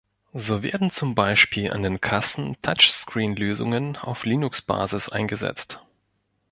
So werden zum Beispiel an den Kassen Touchscreen-Lösungen auf Linux-Basis eingesetzt.